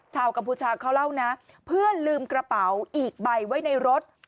กัมพูชาเขาเล่านะเพื่อนลืมกระเป๋าอีกใบไว้ในรถ